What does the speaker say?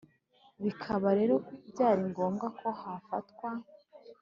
bikaba rero byari ngombwa ko hafatwa